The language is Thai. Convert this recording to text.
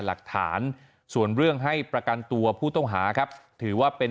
หลักฐานส่วนเรื่องให้ประกันตัวผู้ต้องหาครับถือว่าเป็น